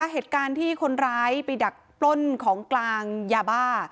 เหตุการณ์ที่คนร้ายไปดักปล้นของกลางยาบ้า